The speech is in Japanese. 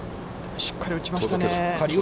しっかり打ちましたね。